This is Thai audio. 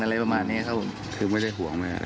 อะไรประมาณนี้ครับผมคือไม่ได้ห่วงเลยครับ